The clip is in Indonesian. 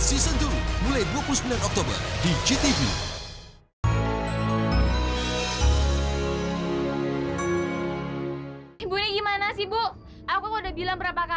ismo star indonesia season dua mulai dua puluh sembilan oktober di gtv